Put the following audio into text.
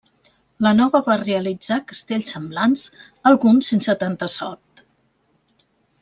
La Nova va realitzar castells semblants, alguns sense tanta sort.